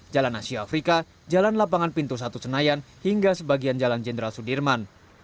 jalan asia afrika jalan lapangan pintu satu senayan hingga sebagian jalan jenderal sudirman